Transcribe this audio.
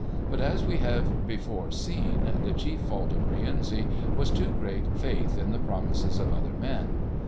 But as we have before seen, the chief fault of Rienzi was too great faith in the promises of other men.